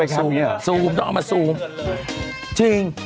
แคปเราทำอะไรคะซูมซูมต้องเอามาซูมจริง